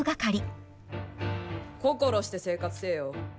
心して生活せえよ。